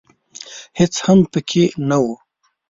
هېڅ هم پکښې نه و .